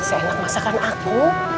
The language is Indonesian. seenak masakan aku